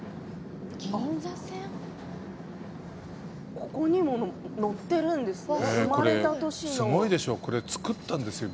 ここにも乗っているんですね。